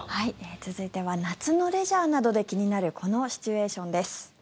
続いては夏のレジャーなどで気になるこのシチュエーションです。